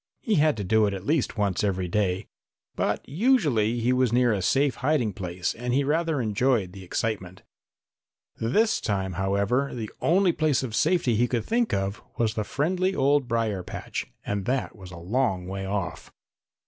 He had to do it at least once every day. But usually he was near a safe hiding place and he rather enjoyed the excitement. This time, however, the only place of safety he could think of was the friendly old brier patch, and that was a long way off.